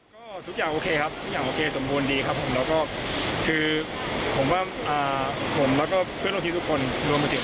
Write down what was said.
ก็ทุกอย่างโอเคครับทุกอย่างโอเคสมบูรณ์ดีครับ